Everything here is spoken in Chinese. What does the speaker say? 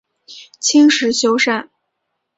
清时修缮。